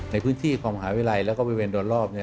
ในพื้นที่ความหาวิทยาลัยและก็บริเวณรอบ